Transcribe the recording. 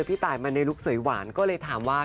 พี่ตายมาในลุคสวยหวานก็เลยถามว่า